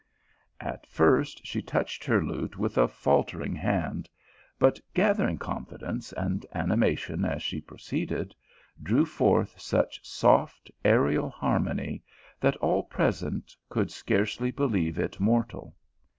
At first she touched her lute with a faltering hand, but gathering confidence and animation as she pro ceeded, drew forth such soft, aerial harmony, that all present could scarce believe it mortal.